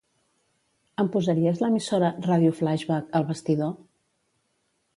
Em posaries l'emissora "Ràdio Flaixbac" al vestidor?